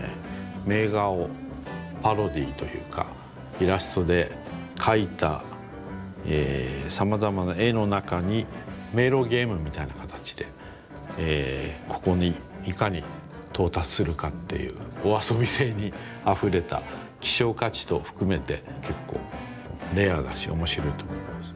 名画をパロディーというかイラストで描いたさまざまな絵の中に迷路ゲームみたいな形でここにいかに到達するかっていうお遊び性にあふれた希少価値等含めて結構レアだし面白いと思います。